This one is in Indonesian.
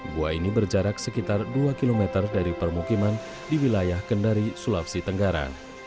gua ini berjarak sekitar dua km dari permukiman di wilayah kendari sulawesi tenggara